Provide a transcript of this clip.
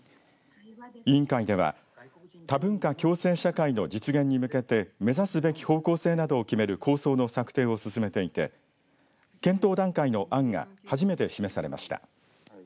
委員会では多文化共生社会の実現に向けて目指すべき方向性などを決める構想の策定を進めていて検討段階の案が初めて示されました。